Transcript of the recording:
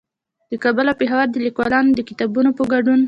د کابل او پېښور د ليکوالانو د کتابونو په ګډون